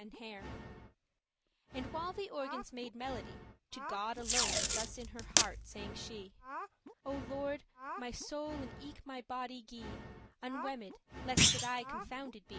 * *garment of hair cloth And while the organs made melody, To God alone thus in her heart sang she; "O Lord, my soul and eke my body gie* *guide Unwemmed,* lest that I confounded be."